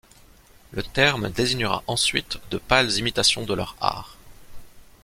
Le terme désignera ensuite de pâles imitations de leur art.